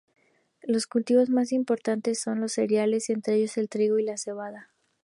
Los cultivos más importantes son los cereales, entre ellos el trigo y la cebada.